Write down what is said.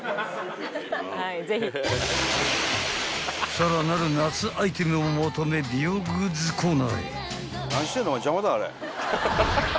［さらなる夏アイテムを求め美容グッズコーナーへ］